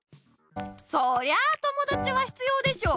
そりゃあともだちは必要でしょ！